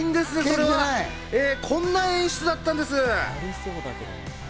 それはこんな演出だったんです。